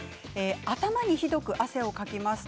頭にひどく汗をかきます。